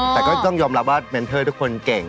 แต่ก็ต้องยอมรับว่าเมนเทอร์ทุกคนเก่ง